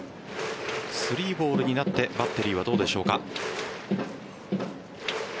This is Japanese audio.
３ボールになってバッテリーはどうでしょうか。